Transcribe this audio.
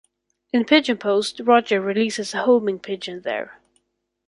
In Pigeon Post Roger releases a homing pigeon there.